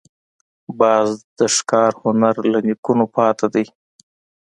باز د ښکار هنر له نیکونو پاتې دی